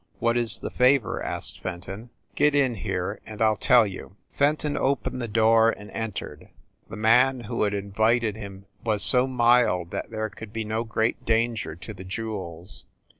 "What is the favor?" asked Fenton. "Get in here, and I ll tell you." Fenton opened the door and entered. The man who had invited him was so mild that there could be no great danger to the jewels.